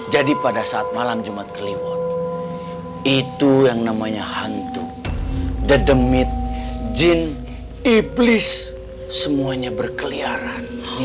jadi pada saat malam jumat kliwon itu yang namanya hantu dedemit jin iblis semuanya berkeliaran di